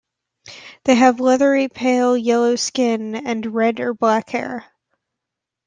They have leathery, pale yellow skin, and red or black hair.